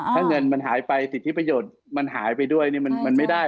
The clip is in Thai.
ถ้าเงินมันหายไปสิทธิประโยชน์มันหายไปด้วยมันไม่ได้